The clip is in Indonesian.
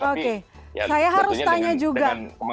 oke saya harus tanya juga